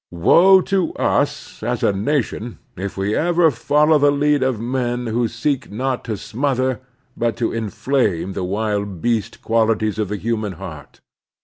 Woe to us as a nation if we ever follow the lead of men who seek not to smother but to inflame the wild beast qualities of the htunan heart